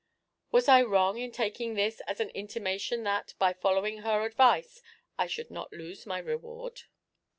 Was I wrong in taking this as an intimation that, by following her advice, I should not lose my reward?